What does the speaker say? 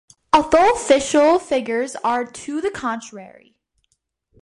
Although official figures are to the contrary.